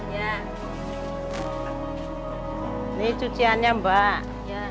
ini cuciannya mbak